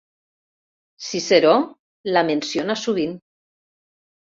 Ciceró la menciona sovint.